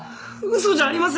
嘘じゃありません！